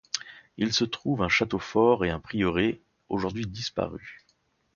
Il se trouvent un château fort et un prieuré, aujourd'hui disparus.